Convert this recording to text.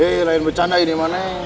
eh lain bercanda ini mana ya